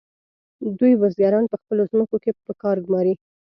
دوی بزګران په خپلو ځمکو کې په کار وګمارل.